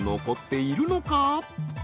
［残っているのか？］